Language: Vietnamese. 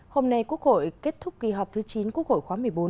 hôm nay quốc hội kết thúc kỳ họp thứ chín quốc hội khóa một mươi bốn